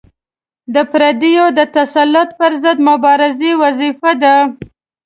د پردیو د تسلط پر ضد مبارزه وظیفه ده.